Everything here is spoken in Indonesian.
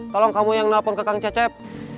tolong kamu yang nelfon ke kang cecep